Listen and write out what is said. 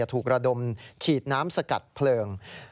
ถูกระดมฉีดน้ำสกัดเพลิง